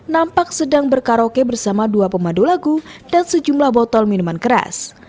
nampak sedang berkaraoke bersama dua pemandu lagu dan sejumlah botol minuman keras